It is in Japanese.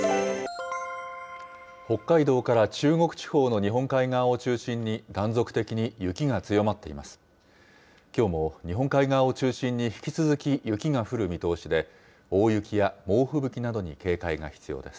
北海道から中国地方の日本海側を中心に、断続的に雪が強まっています。